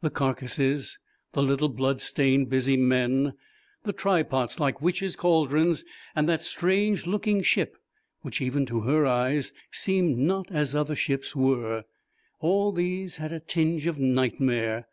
The carcases, the little blood stained busy men, the try pots like witches' cauldrons and that strange looking ship which even to her eyes seemed not as other ships were, all these had a tinge of nightmare.